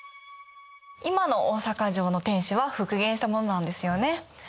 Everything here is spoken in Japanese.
今の大坂城の天守は復元したものなんですよね。